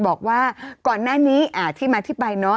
บอกว่าก่อนหน้านี้ที่มาที่ไปเนอะ